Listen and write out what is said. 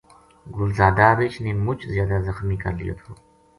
گل زادا رِچھ نے مُچ زیادہ زخمی کر لیو تھو